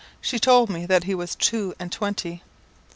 She told me that he was two and twenty.